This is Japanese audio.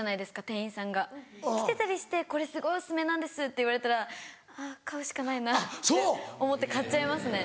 店員さんが。着てたりして「これすごいお薦めなんです」って言われたらあっ買うしかないなって思って買っちゃいますね。